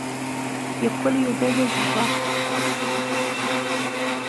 Yeqqel Yuba d azeggaɣ.